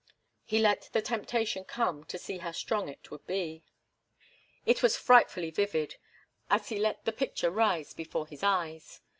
He let the temptation come to see how strong it would be. It was frightfully vivid, as he let the picture rise before his eyes.